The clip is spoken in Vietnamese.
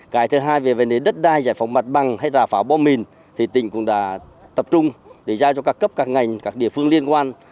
cái thứ hai về vấn đề đất đai giải phóng mặt bằng hay rà pháo bom mìn thì tỉnh cũng đã tập trung để ra cho các cấp các ngành các địa phương liên quan